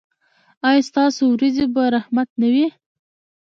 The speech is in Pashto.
ایا ستاسو ورېځې به رحمت نه وي؟